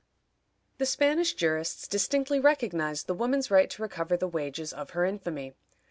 The Spanish jurists distinctly recognized the woman's right to recover the wages of her infamy.